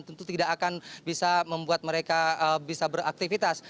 tentu tidak akan bisa membuat mereka bisa beraktivitas